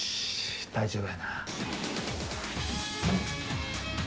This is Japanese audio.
大丈夫やな。